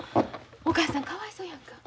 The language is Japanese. お母さんかわいそうやんか。